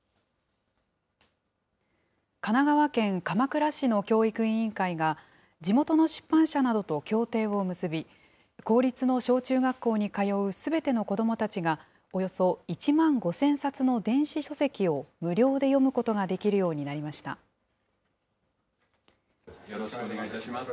神奈川県鎌倉市の教育委員会が、地元の出版社などと協定を結び、公立の小中学校に通うすべての子どもたちが、およそ１万５０００冊の電子書籍を無料で読むことができるようになりました。